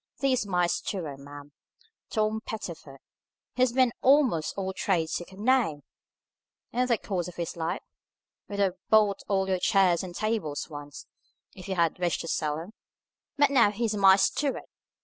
This is my steward, ma'am, Tom Pettifer; he's been a'most all trades you could name, in the course of his life, would have bought all your chairs and tables once, if you had wished to sell 'em, but now he's my steward.